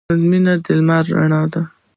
• مینه د لمر رڼا ده.